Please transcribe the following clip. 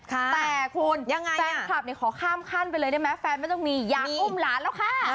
แต่คุณแฟนคลับขอข้ามขั้นไปเลยได้ไหมแฟนไม่ต้องมีอยากอุ้มหลานแล้วค่ะ